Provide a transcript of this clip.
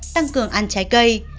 tăng cường ăn trái cây